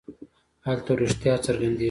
هلته رښتیا څرګندېږي.